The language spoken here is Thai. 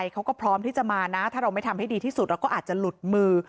เขาก็พร้อมที่จะมานะถ้าเราไม่ทำให้ดีที่สุดเราก็อาจจะหลุดมือ